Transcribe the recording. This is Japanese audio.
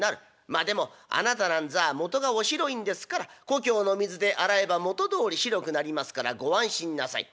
まあでも『あなたなんざ元がお白いんですから故郷の水で洗えば元どおり白くなりますからご安心なさい。